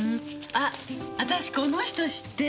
あっ私この人知ってる！